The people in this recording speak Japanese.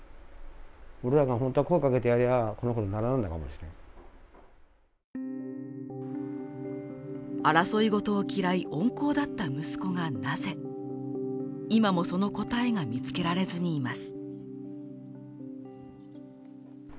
しかし争いごとを嫌い、温厚だった息子がなぜ今もその答えが見つけられずにいます。